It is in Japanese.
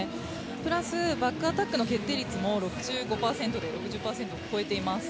プラスバックアタックの決定力も６５％６０％を超えています。